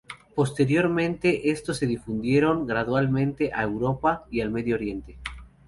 Posteriormente estos se difundieron gradualmente a Europa y al Medio Oriente.